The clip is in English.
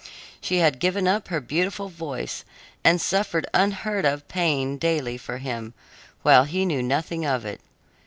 She had given up her beautiful voice and suffered unheard of pain daily for him, while he knew nothing of it.